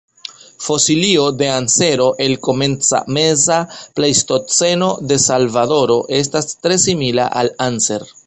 Fosilio de ansero el Komenca-Meza Pleistoceno de Salvadoro estas tre simila al "Anser".